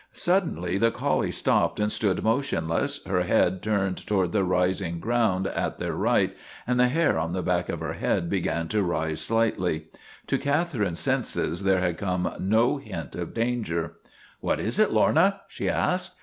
Suddenly the collie stopped and stood motionless, her head turned toward the rising ground at their right, and the hair on the back of her neck began to rise slightly. To Catherine's senses there had come no hint of danger. " What is it, Lorna? " she asked.